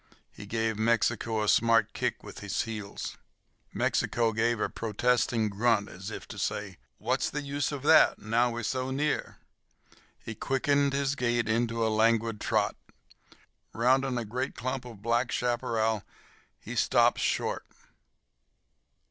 He gave Mexico a smart kick with his heels. Mexico gave a protesting grunt as if to say: "What's the use of that, now we're so near?" He quickened his gait into a languid trot. Rounding a great clump of black chaparral he stopped short.